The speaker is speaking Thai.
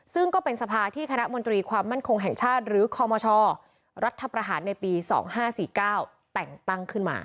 ซึ่งก็เป็นสภาที่คณะมนตรีความมั่นคงแห่งชาติหรือคอมชรัฐประหารในปี๒๕๔๙แต่งตั้งขึ้นมา